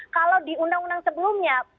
kalau di undang undang sebelumnya